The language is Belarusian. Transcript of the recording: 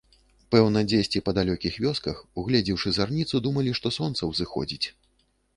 Пэўна, дзесьці па далёкіх вёсках, угледзеўшы зарніцу, думалі, што сонца ўзыходзіць.